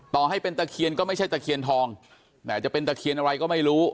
ต่อให้เป็นตะเคียนก็ไม่ใช่ตะเคียนทองแม้จะเป็นตะเคียนอะไรก็ไม่รู้